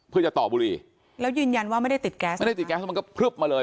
เพื่อจะต่อบุรีแล้วยืนยันว่าไม่ได้ติดแก๊สไม่ได้ติดแก๊สมันก็พลึบมาเลย